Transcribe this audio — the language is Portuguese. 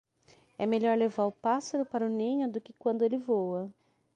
É melhor levar o pássaro para o ninho do que quando ele voa.